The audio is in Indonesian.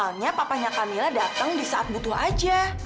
soalnya papanya camilla datang di saat butuh aja